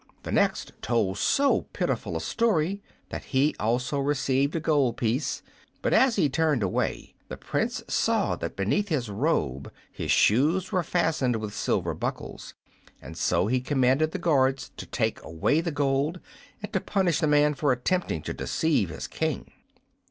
The next told so pitiful a story that he also received a gold piece; but as he turned away the Prince saw that beneath his robe his shoes were fastened with silver buckles, and so he commanded the guards to take away the gold and to punish the man for attempting to deceive his King.